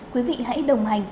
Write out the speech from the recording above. quý vị hãy đồng hành